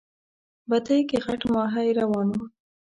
بتۍ کې غټ ماهی روان و.